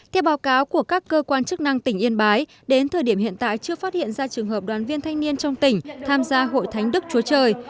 theo báo cáo của các cơ quan chức năng tỉnh yên bái đến thời điểm hiện tại chưa phát hiện ra trường hợp đoàn viên thanh niên trong tỉnh tham gia hội thánh đức chúa trời